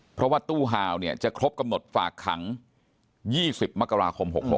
เพราะว่าตู้ฮาวเนี่ยจะครบกำหนดฝากขัง๒๐มกราคม๖๖